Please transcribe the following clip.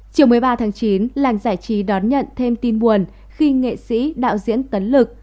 chiều một mươi ba tháng chín làng giải trí đón nhận thêm tin buồn khi nghệ sĩ đạo diễn tấn lực